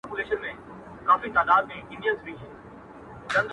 له یوه کلي تر بله، هديرې د ښار پرتې دي~